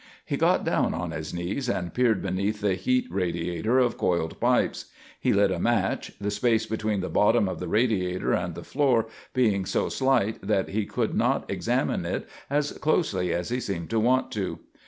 He got down on his knees and peered beneath the heat radiator of coiled pipes. He lit a match, the space between the bottom of the radiator and the floor being so slight that he could not examine it as closely as he seemed to want to.